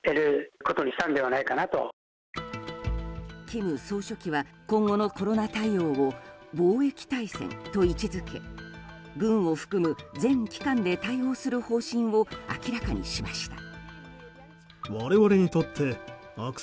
金総書記は今後のコロナ対応を防疫大戦と位置づけ軍を含む全機関で対応する方針を明らかにしました。